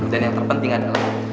dan yang terpenting adalah